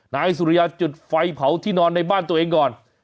นายสุริยาจุดไฟเผาที่นอนในบ้านตัวเองก่อน